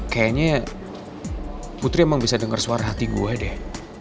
kayaknya putri emang bisa dengar suara hati gue deh